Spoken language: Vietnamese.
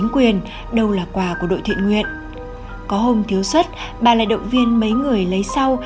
quyền đâu là quà của đội thiện nguyện có hôm thiếu xuất bà lại động viên mấy người lấy sau